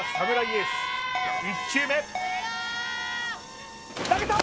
エース１球目投げた！